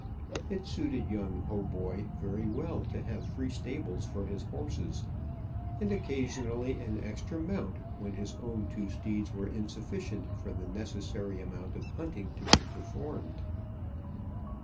It suited young Hautboy very well to have free stables for his horses, and occasionally an extra mount when his own two steeds were insufficient for the necessary amount of hunting to be performed.